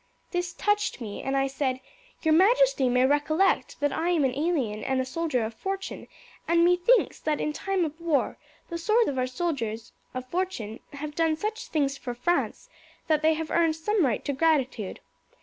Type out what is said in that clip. This touched me, and I said, 'Your majesty may recollect that I am an alien and a soldier of fortune, and methinks that in time of war the swords of our soldiers of fortune have done such things for France that they have earned some right to gratitude.